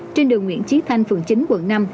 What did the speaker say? trên đường nguyễn chí thanh phường chín quận năm